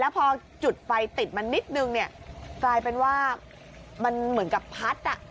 พอจุดไฟติดมันนิดนึงเนี่ยกลายเป็นว่ามันเหมือนกับพัดอ่ะ